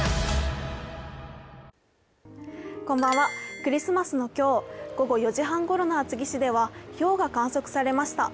クリスマスの今日、午後４時半ごろに厚木市ではひょうが観測されました。